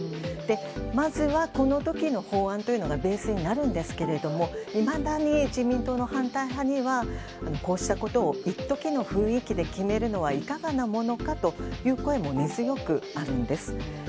まずは、この時の法案がベースになるんですがいまだに自民党の反対派にはこうしたことを一時の雰囲気で決めるのはいかがなものかという声も根強くあるんです。